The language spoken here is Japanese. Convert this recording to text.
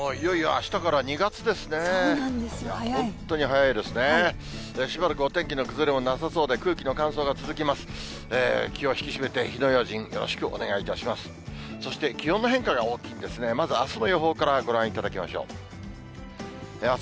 しばらくお天気の崩れもなさそうで、空気の乾燥が続きます。